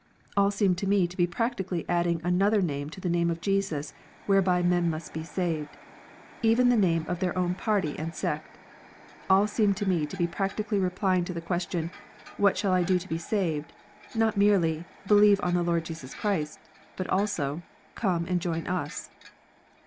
All seem to me to be practically adding another name to the name of Jesus, whereby men must be saved, even the name of their own party and sect. All seem to me to be practically replying to the question, " What shall I do to be saved 1 " not merely, " Believe on the Lord Jesus Christ," but also " Come and join us."